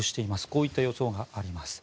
こういった予想があります。